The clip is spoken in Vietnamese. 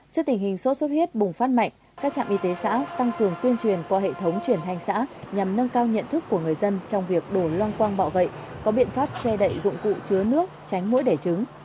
trước tình hình sốt xuất huyết bùng phát mạnh các trạm y tế xã tăng cường tuyên truyền qua hệ thống truyền thanh xã nhằm nâng cao nhận thức của người dân trong việc đổ loang quang bọ gậy có biện pháp che đậy dụng cụ chứa nước tránh mũi đẻ trứng